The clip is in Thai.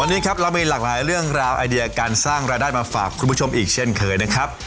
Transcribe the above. วันนี้ครับเรามีหลากหลายเรื่องราวไอเดียการสร้างรายได้มาฝากคุณผู้ชมอีกเช่นเคยนะครับ